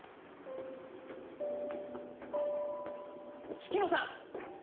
月野さん！